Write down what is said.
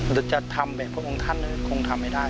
จะจะทำแบบพวกของท่านอ่ะคงทำไม่ได้